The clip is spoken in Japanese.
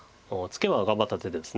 ツケは頑張った手です。